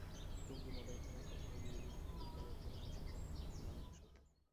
Tongi model থানায় কথা হয় ইউনিক এডুকেয়ারের প্রধান শিক্ষক আবদুল মালেকের সঙ্গে।